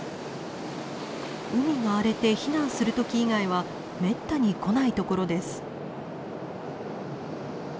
海が荒れて避難する時以外はめったに来ないところです。